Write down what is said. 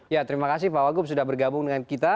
ya terima kasih pak wagub sudah bergabung dengan kita